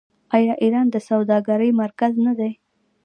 آیا ایران د سوداګرۍ مرکز نه دی؟